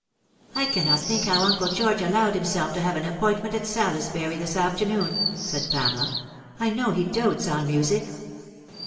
" I cannot think how Uncle George allowed himself to have an appointment at Salisbury this afternoon," said Pamela. " I know he dotes on music."